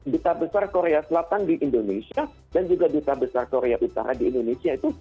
duta besar korea selatan di indonesia dan juga duta besar korea utara di indonesia itu